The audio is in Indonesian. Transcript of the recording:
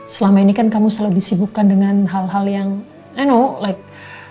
selama ini kan kamu selalu disibukkan dengan hal hal yang no like